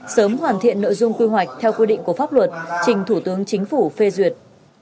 sớm hoàn thiện nội dung quy hoạch theo quy định của pháp luật trình thủ tướng chính phủ phê duyệt